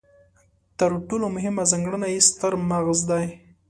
تر ټولو مهمه ځانګړنه یې ستر مغز دی.